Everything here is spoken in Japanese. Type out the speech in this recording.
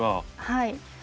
はい。